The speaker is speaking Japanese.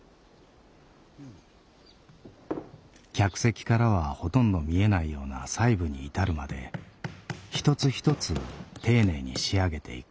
客席からはほとんど見えないような細部に至るまで一つ一つ丁寧に仕上げていく。